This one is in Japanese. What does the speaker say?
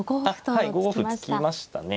はい５五歩突きましたね。